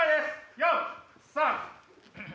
４３。